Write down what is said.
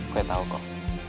gue tau kok